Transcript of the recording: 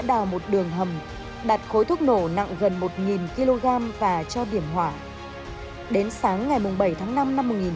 đào một đường hầm đặt khối thuốc nổ nặng gần một kg và cho điểm hỏa đến sáng ngày bảy tháng năm năm một nghìn chín trăm bảy mươi